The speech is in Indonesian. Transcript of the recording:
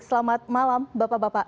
selamat malam bapak bapak